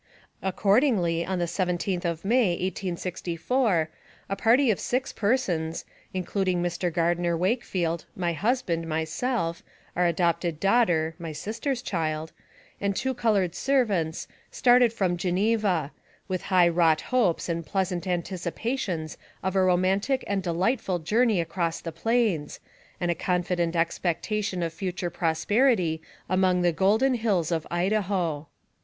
Accordingly, on the 17th of May, 1864, a party of six persons, consisting of Mr. Gardner Wakefield, my husband, myself, our adopted daughter (my sister's child), and two colored servants, started from Geneva, with high wrought hopes and pleasant AMONG THE SIOUX INDIANS. 13 anticipations of a romantic and delightful journey across the plains, and a confident expectation of future prosperity among the golden hills of Idaho.